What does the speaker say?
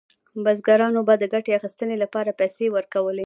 بزګرانو به د ګټې اخیستنې لپاره پیسې ورکولې.